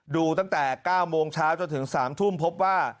ดูตั้งแต่๙โมงเช้าจนถึง๓ทุ่มพบว่า